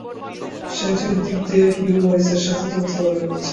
সেঞ্চুরির দিক দিয়ে হিউ মরিসের সাথে যৌথভাবে রয়েছেন।